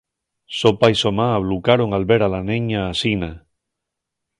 So pá y so ma ablucaron al ver a la neña asina.